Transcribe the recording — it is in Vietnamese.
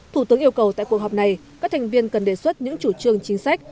thủ tướng yêu cầu tại cuộc họp này các thành viên cần đề xuất những chủ trương chính sách